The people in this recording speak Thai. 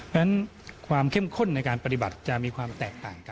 เพราะฉะนั้นความเข้มข้นในการปฏิบัติจะมีความแตกต่างกัน